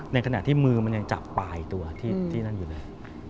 ในขณะที่มือมันยังจับปลายตัวที่นั่นอยู่เลย